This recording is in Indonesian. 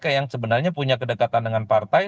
kayak yang sebenarnya punya kedekatan dengan partai